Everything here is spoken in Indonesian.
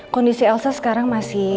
kondisi elsa sekarang masih